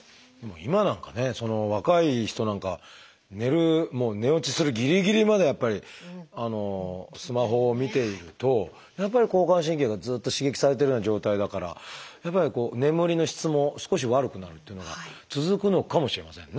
今なんかね若い人なんかは寝る寝落ちするぎりぎりまでやっぱりスマホを見ているとやっぱり交感神経がずっと刺激されてるような状態だからやっぱりこう眠りの質も少し悪くなるっていうのが続くのかもしれませんね。